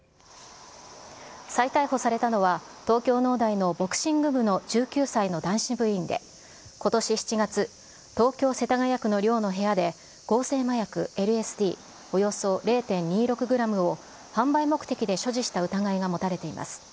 再逮捕されたのは、東京農大のボクシング部の１９歳の男子部員で、ことし７月、東京・世田谷区の寮の部屋で、合成麻薬ＬＳＤおよそ０．２６グラムを販売目的で所持した疑いが持たれています。